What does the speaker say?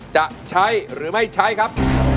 จะใช้หรือไม่ใช้ครับ